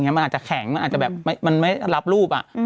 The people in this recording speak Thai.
มันอาจจะแข็งมันอาจจะแบบมันไม่รับรูป